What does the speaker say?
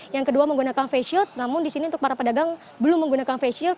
yang kedua menggunakan face shield namun di sini untuk para pedagang belum menggunakan face shield